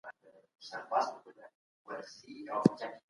عمه دي کله زموږ کره راځي؟